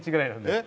えっ？